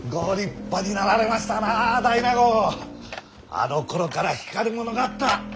あのころから光るものがあった！